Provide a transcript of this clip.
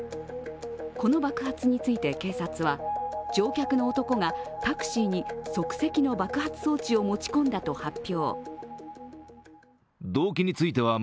この爆発について警察は、乗客の男がタクシーに即席の爆発装置を持ち込んだと発表。